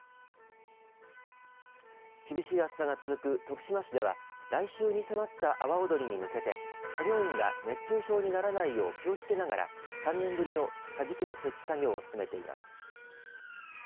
厳しい暑さが続く徳島市では来週に迫った阿波おどりに向けて作業員が熱中症にならないよう気をつけながら３年ぶりの桟敷の設置作業を進めています。